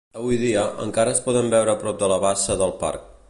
Avui dia, encara es poden veure prop de la bassa del parc.